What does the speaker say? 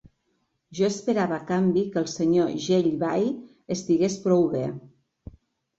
Jo esperava a canvi que el senyor Jellyby estigués prou bé.